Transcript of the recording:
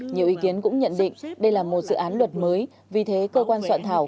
nhiều ý kiến cũng nhận định đây là một dự án luật mới vì thế cơ quan soạn thảo